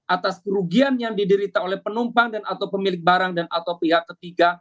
atas kerugian yang diderita oleh penumpang dan atau pemilik barang dan atau pihak ketiga